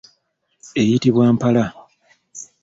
Eyitibwa mpala.